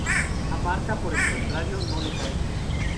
A Martha por el contrario no le cae bien.